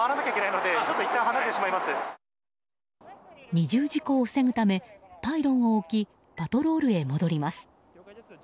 二重事故を防ぐためパイロンを置きパトロールへ戻ります。